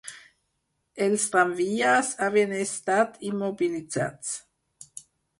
Els tramvies, havien estat immobilitzats